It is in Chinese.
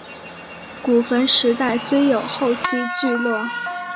古坟时代虽有后期聚落。